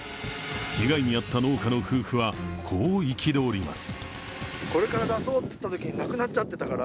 被害に遭った農家の夫婦はこう、憤ります。